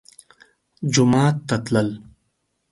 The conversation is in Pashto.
جومات ته تلل